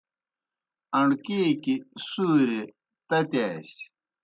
اݨکیکیْ سُوریئے تتِیاسیْ۔